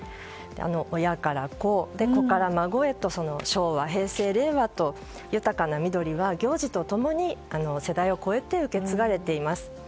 親から子、子から孫へと昭和、平成、令和と豊かな緑は行事と共に世代を超えて受け継がれています。